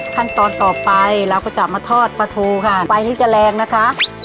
ขั้นตอนต่อไปเราก็จะมาทอดปลาทูค่ะไฟที่จะแรงนะคะ